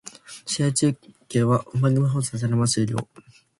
試合中継番組は放送されないまま終了